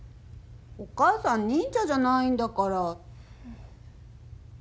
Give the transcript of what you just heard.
お母さん忍者じゃないんだから。